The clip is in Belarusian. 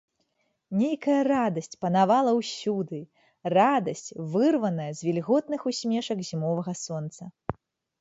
Нейкая радасць панавала ўсюды, радасць, вырваная з вільготных усмешак зімовага сонца.